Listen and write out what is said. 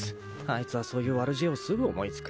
あいつはそういう悪知恵をすぐ思い付く。